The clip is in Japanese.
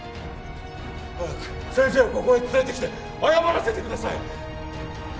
早く先生をここへ連れてきて謝らせてください！